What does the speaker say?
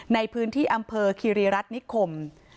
ในพื้นที่อำเภอคีรีรัฐนิคม